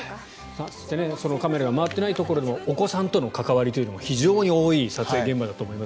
そしてカメラが回っていないところでもお子さんとの関わりというのも非常に多い撮影現場だと思います。